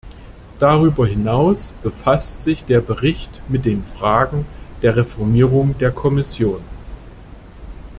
Darüber hinaus befasst sich der Bericht mit den Fragen der Reformierung der Kommission.